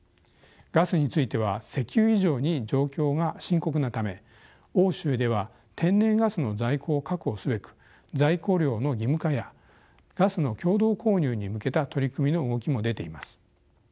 ガスについては石油以上に状況が深刻なため欧州では天然ガスの在庫を確保すべく在庫量の義務化やガスの共同購入に向けた取り組みの動きも出ています。